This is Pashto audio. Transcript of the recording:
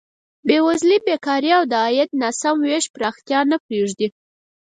بېوزلي، بېکاري او د عاید ناسم ویش پرمختیا نه پرېږدي.